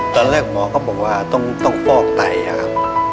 ตอนแรกหมอก็บอกว่าต้องฟอกไตครับ